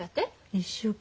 １週間。